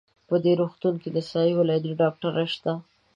په دې روغتون کې نسایي ولادي ډاکټره شته؟